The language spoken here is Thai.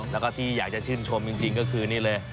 แล้วก็ที่อยากจะชื่นชมจริงก็คือนี่เลย